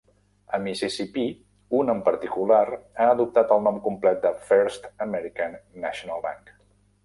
A Mississipí, un en particular, ha adoptat el nom complet del "First American National Bank".